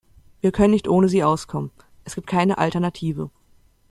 Wir können nicht ohne sie auskommen, es gibt keine Alternative.